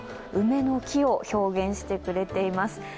梅の木を表現してくれています。